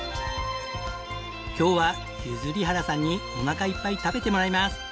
今日は譲原さんにおなかいっぱい食べてもらいます。